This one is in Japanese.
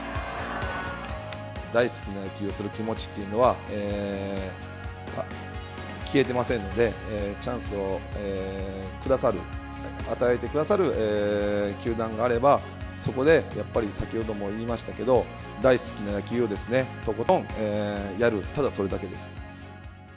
大好きな野球をする気持ちっていうのは、消えてませんので、チャンスを下さる、与えてくださる球団があれば、そこでやっぱり、先ほども言いましたけど、大好きな野球をですね、とことんやる、ただそれだけです。